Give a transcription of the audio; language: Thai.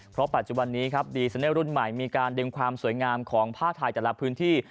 เพราะปัจจุบันนี้ครับดีไซเนอร์รุ่นใหม่มีการดึงความสวยงามของผ้าไทยแต่ละพื้นที่